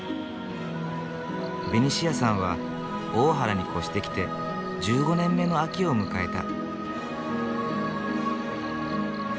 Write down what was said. ベニシアさんは大原に越してきて１５年目の秋を迎えた。